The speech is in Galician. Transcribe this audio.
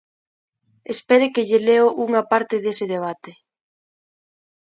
Espere que lle leo unha parte dese debate.